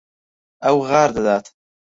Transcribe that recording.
ئەو غار دەدات.